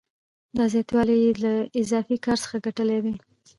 دا زیاتوالی یې له اضافي کار څخه ګټلی دی